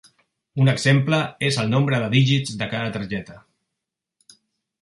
Un exemple és el nombre de dígits de cada targeta.